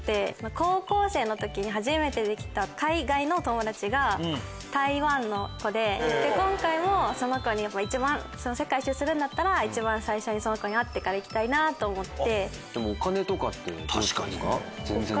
高校生の時に初めてできた海外の友達が台湾の子で今回も世界一周するんだったら一番最初にその子に会ってから行きたいな！と思って。